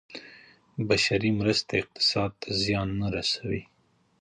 بشري مرستې اقتصاد ته زیان نه رسوي.